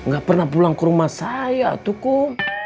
gak pernah pulang ke rumah saya tuk om